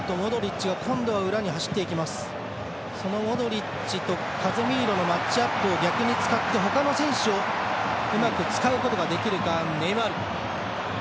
モドリッチとカゼミーロのマッチアップを逆に使ってほかの選手をうまく使うことができるかネイマール。